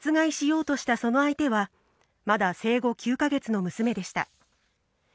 殺害しようとしたその相手は、まだ生後９か月の娘でした。